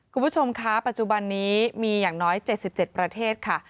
คุณผู้ชมคะปัจจุบันนี้มีอย่างน้อย๗๗ประเทศค่ะ